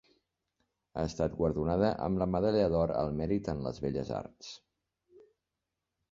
Ha estat guardonada amb la Medalla d'Or al Mèrit en les Belles Arts.